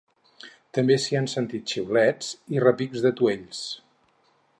També s’hi han sentit xiulets i repics d’atuells.